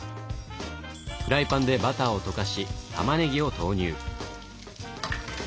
フライパンでバターを溶かしたまねぎを投入。